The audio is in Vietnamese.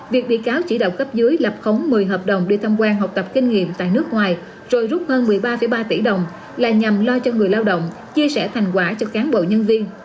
việc bị cáo chỉ đạo cấp dưới lập khống một mươi hợp đồng đi tham quan học tập kinh nghiệm tại nước ngoài rồi rút hơn một mươi ba ba tỷ đồng là nhằm lo cho người lao động chia sẻ thành quả cho cán bộ nhân viên